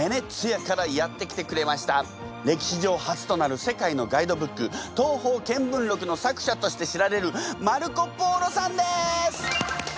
歴史上初となる世界のガイドブック「東方見聞録」の作者として知られるマルコ・ポーロさんです！